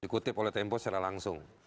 dikutip oleh tempo secara langsung